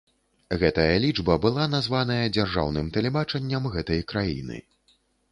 Гэтая лічба была названая дзяржаўным тэлебачаннем гэтай краіны.